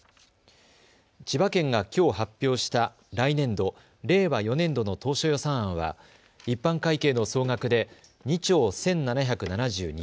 千葉県がきょう発表した来年度・令和４年度の当初予算案は一般会計の総額で２兆１７７２億円。